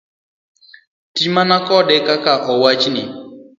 Ti mana kode kaka ne owachni.